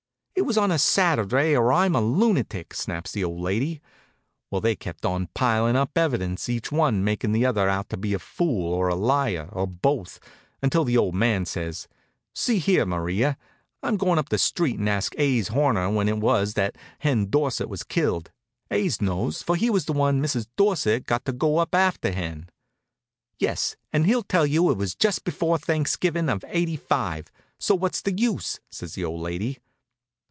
"It was on a Saturday or I'm a lunatic," snaps the old lady. Well, they kept on pilin' up evidence, each one makin' the other out to be a fool, or a liar, or both, until the old man says: "See here, Maria, I'm goin' up the street and ask Ase Horner when it was that Hen Dorsett was killed. Ase knows, for he was the one Mrs. Dorsett got to go up after Hen." "Yes, and he'll tell you it was just before Thanksgivin' of '85, so what's the use?" says the old lady.